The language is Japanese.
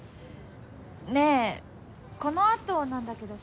ねえこのあとなんだけどさ。